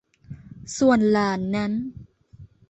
ส่วนหลานนั้น